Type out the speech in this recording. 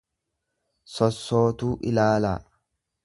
sossootuu ilaalaa.